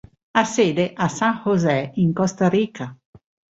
Ha sede a San José in Costa Rica.